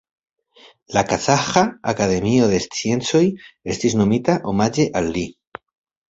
La Kazaĥa Akademio de Sciencoj estis nomita omaĝe al li.